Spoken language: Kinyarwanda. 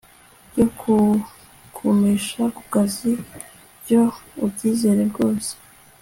byokukugumisha kukazi byo ubyizere rwose